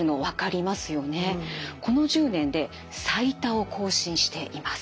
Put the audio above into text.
この１０年で最多を更新しています。